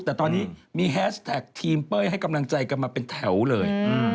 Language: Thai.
แต่ตอนนี้มีแฮชแท็กทีมเป้ยให้กำลังใจกันมาเป็นแถวเลย